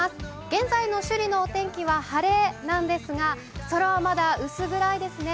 現在の首里のお天気は晴れなんですが、空はまだ薄暗いですね。